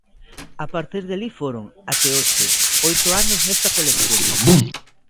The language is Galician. A partir de alí foron, até hoxe, oito anos nesta colección.